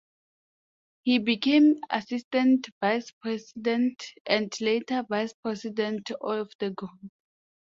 He became assistant vice president and later vice president of the group.